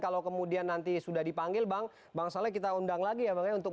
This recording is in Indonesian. kalau kemudian nanti sudah dipanggil bang bang saleh kita undang lagi ya bang ya untuk